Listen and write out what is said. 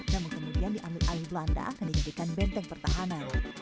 namun kemudian diambil alih belanda akan dijadikan benteng pertahanan